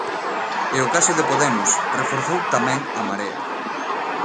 E o caso de Podemos reforzou tamén a Marea.